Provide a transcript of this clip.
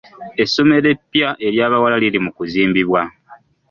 Essomero eppya ery'abawala liri mu kuzimbibwa.